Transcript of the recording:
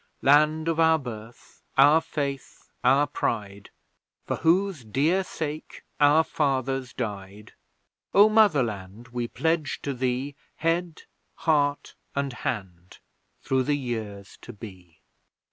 Land of our Birth, our faith, our pride, For whose dear sake our fathers died; O Motherland, we pledge to thee Head, heart and hand through the years to be!